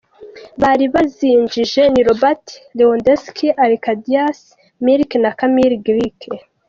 bari bazinjize ni Robert Lewandowski, Arkadiusz Milik na Kamil Glik.